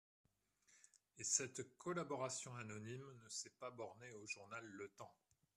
Et cette collaboration anonyme ne s'est pas bornée au journal Le Temps.